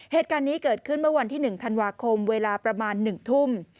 เหตุการณ์นี้เกิดขึ้นเมื่อวันที่๑ธันวาคมเวลาประมาณ๑ทุ่ม